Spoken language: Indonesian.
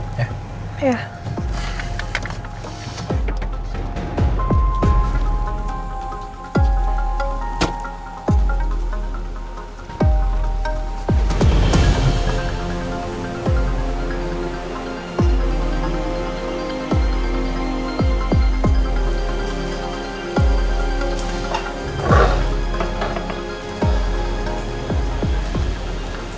bisa brand aja farm